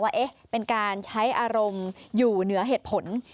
ว่าเป็นการใช้อารมณ์อยู่เหนือเหตุผล